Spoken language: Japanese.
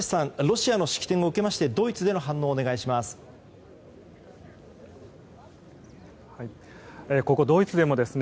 ロシアの式典を受けましてドイツでの反応をお願いします。